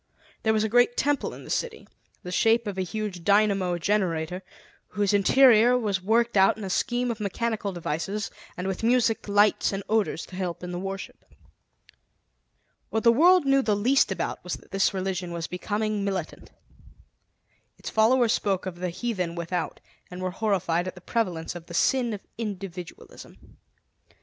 There was a great temple in the city, the shape of a huge dynamo generator, whose interior was worked out in a scheme of mechanical devices, and with music, lights, and odors to help in the worship. What the world knew the least about was that this religion was becoming militant. Its followers spoke of the heathen without, and were horrified at the prevalence of the sin of individualism.